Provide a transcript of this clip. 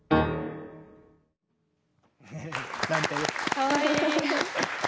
かわいい！